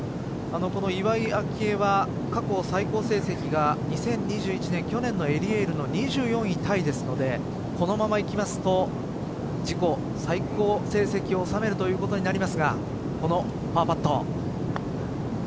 この岩井明愛は過去最高成績が２０２１年去年のエリエールの２４位タイですのでこのままいきますと自己最高成績を収めるということになりますがこのパーパット。